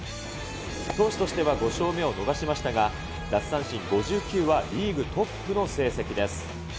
投手としては５勝目を逃しましたが、奪三振５９はリーグトップの成績です。